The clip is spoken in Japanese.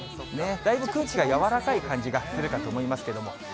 だいぶ空気がやわらかい感じがするかと思いますけれども。